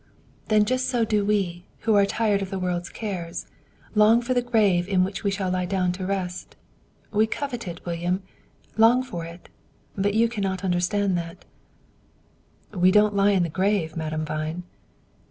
"Then just so do we, who are tired of the world's cares, long for the grave in which we shall lie down to rest. We covet it, William; long for it; but you cannot understand that." "We don't lie in the grave, Madame Vine."